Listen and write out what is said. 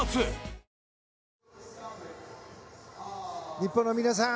日本の皆さん